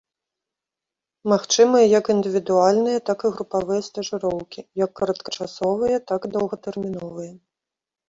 Магчымыя як індывідуальныя, так і групавыя стажыроўкі, як кароткачасовыя, так і доўгатэрміновыя.